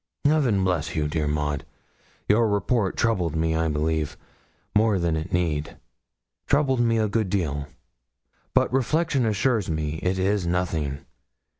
Heaven bless you, dear Maud! Your report troubled me, I believe, more than it need troubled me a good deal; but reflection assures me it is nothing.